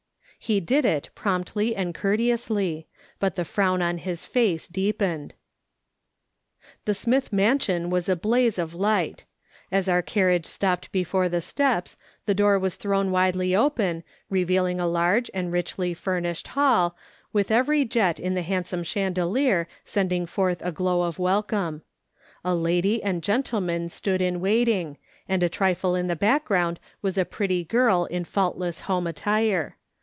lie did it, promptly and courteously ■ but the frown on his face deepened. The Smith mansion v. as a blaze of light. As our " VM GLA D Til A T SOL OMON AIN'T AL ONG." 87 carriage stopped before the steps, the door was thrown widely open, revealing a large and richly furnished hall, with every jet in the handsome chandelier sending forth a glow of welcome. A lady and gentleman stood in waiting, and a trifle in the back ground was a pretty girl in faultless home attire.